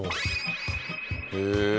へえ！